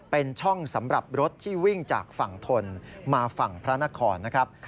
เป็นช่องสำหรับรถที่วิ่งจากฝั่งทนมาฝั่งพระนครนะครับ